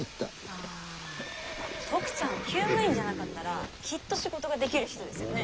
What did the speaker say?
トクちゃんは厩務員じゃなかったらきっと仕事ができる人ですよね。